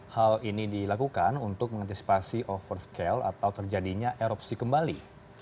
hal ini dilakukan untuk mengantisipasi overscale atau terjadinya erupsi kembali